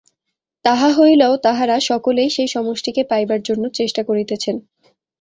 তাহা হইলেও তাঁহারা সকলেই সেই সমষ্টিকে পাইবার জন্য চেষ্টা করিতেছেন।